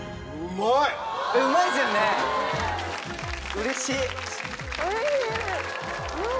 うれしい！